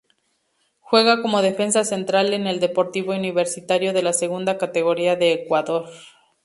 Juega como Defensa central en el Deportivo Universitario de la Segunda Categoria de Ecuador.